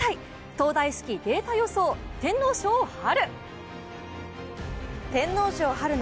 東大式データ予想、天皇賞・春。